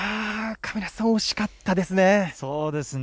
亀梨さん、惜しかったですね。